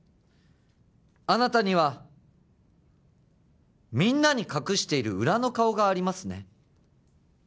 あなたにはみんなに隠している裏の顔がありますね？